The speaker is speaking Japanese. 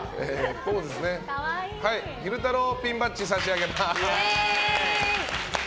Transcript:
昼太郎ピンバッジ差し上げます。